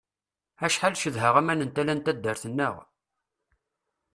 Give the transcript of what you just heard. Acḥal cedheɣ aman n tala n taddart-nneɣ!